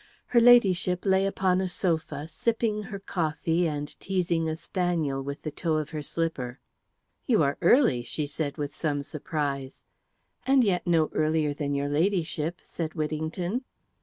Her Ladyship lay upon a sofa sipping her coffee and teasing a spaniel with the toe of her slipper. "You are early," she said with some surprise. "And yet no earlier than your Ladyship," said Whittington.